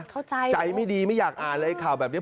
เข้าใจหรือว่าใจไม่ดีไม่อยากอ่านอะไรข่าวแบบนี้